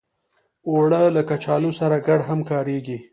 اوړه له کچالو سره ګډ هم کارېږي